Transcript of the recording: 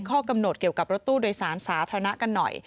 ข้อกำหนดเกี่ยวกับรถตู้โดยสารสาธารณะกันหน่อย